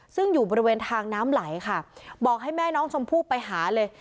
ซึ่งอยู่บริเวณทางน้ำไหลค่ะบอกให้แม่น้องชมพู่ไปหาเลย